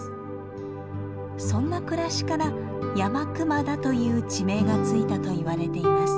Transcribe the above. そんな暮らしから「山熊田」という地名がついたといわれています。